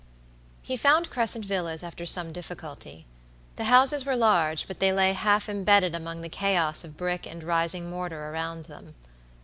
He found Crescent Villas after some difficulty. The houses were large, but they lay half imbedded among the chaos of brick and rising mortar around them.